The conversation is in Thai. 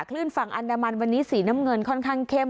คลื่นฝั่งอันดามันวันนี้สีน้ำเงินค่อนข้างเข้ม